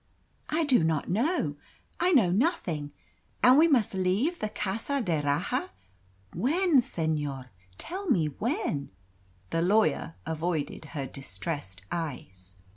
"I do not know I know nothing. And we must leave the Casa d'Erraha. When, senor? Tell me when." The lawyer avoided her distressed eyes.